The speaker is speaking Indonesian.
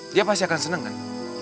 dia pasti akan senang kan